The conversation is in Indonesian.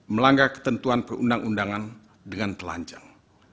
melanggar ketentuan perundang undangan dengan telanjang